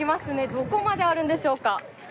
どこまであるんでしょうか。